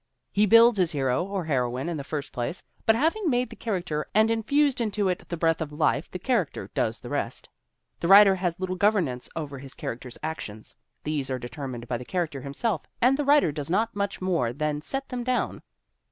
He builds his hero or heroine in the first place, but having made the character and infused into it the breath of life the character does the rest. The writer has little governance over his character's actions; these are determined by the character himself and the writer does not much more than set them down.